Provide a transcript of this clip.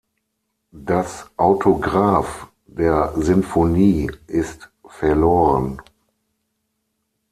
Das Autograph der Sinfonie ist verloren.